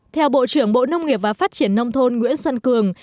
theo bộ trưởng bộ nông nghiệp và phát triển nông thôn nguyễn xuân cường